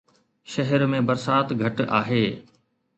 شهر ۾ برسات گهٽ آهي